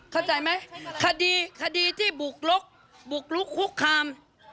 เข้าใจไหมคดีคดีที่บุกลุกบุกลุกคุกคาม